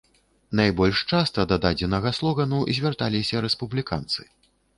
Найбольш часта да дадзенага слогану звярталіся рэспубліканцы.